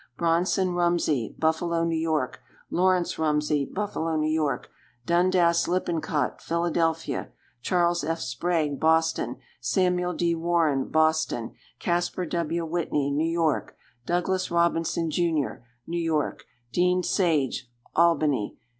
Bronson Rumsey, Buffalo, N. Y. Lawrence Rumsey, Buffalo, N. Y. Dundass Lippincott, Philadelphia. Charles F. Sprague, Boston. Samuel D. Warren, Boston. Casper W. Whitney, New York. Douglass Robinson, Jr., New York. Dean Sage, Albany.